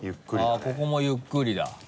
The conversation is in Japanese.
あっここもゆっくりだ。